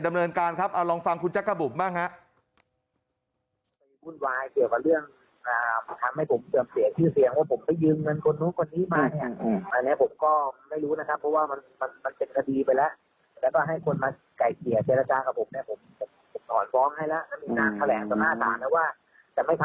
ดำเนินการครับเอาลองฟังคุณจักรบุ๋มบ้างฮะ